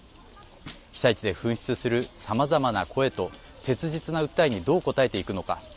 被災地で噴出するさまざまな声と切実な訴えにどう応えていくのか。